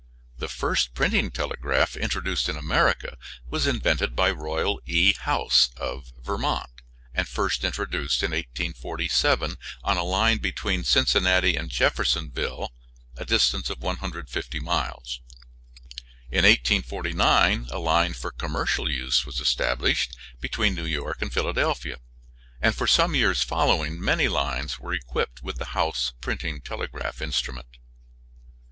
The first printing telegraph introduced in America was invented by Royal E. House of Vermont, and first introduced in 1847 on a line between Cincinnati and Jeffersonville, a distance of 150 miles. In 1849 a line for commercial use was established between New York and Philadelphia, and for some years following many lines were equipped with the House printing telegraph instrument.